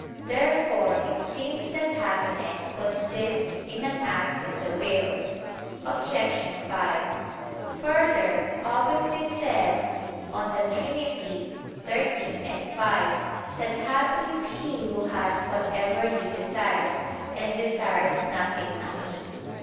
Therefore it seems that happiness consists in an act of the will. Obj. 5: Further, Augustine says (De Trin. xiii, 5) that "happy is he who has whatever he desires, and desires nothing amiss."